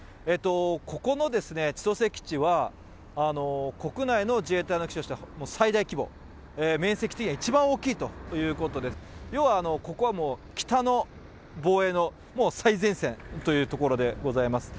ここの千歳基地は、国内の自衛隊の基地としては最大規模、面積的には一番大きいということで、要は、ここはもう北の防衛のもう最前線という所でございます。